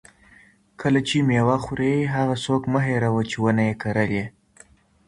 کله چې مېوه خورې، هغه څوک مه هېروه چې ونه یې کرلې.